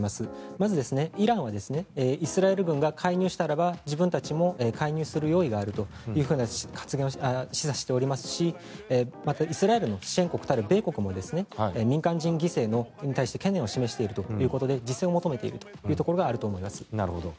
まず、イランはイスラエル軍が介入したらば自分たちも介入する用意があるという発言をし出しておりますしまたイスラエルの支援国である米国も民間人犠牲に対して懸念を示しているということで自制を求めているところがあると思います。